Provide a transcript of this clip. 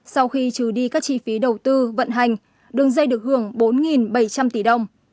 sau khi trừ đi các chi phí đầu tư vận hành đường dây được hưởng bốn bảy trăm linh tỷ đồng